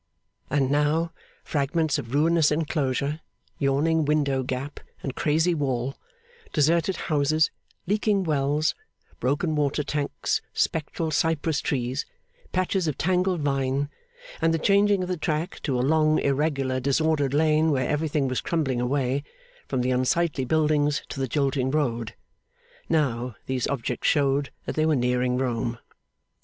And now, fragments of ruinous enclosure, yawning window gap and crazy wall, deserted houses, leaking wells, broken water tanks, spectral cypress trees, patches of tangled vine, and the changing of the track to a long, irregular, disordered lane where everything was crumbling away, from the unsightly buildings to the jolting road now, these objects showed that they were nearing Rome.